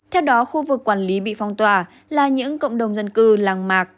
theo đó khu vực quản lý bị phong tỏa là những cộng đồng dân cư làng mạc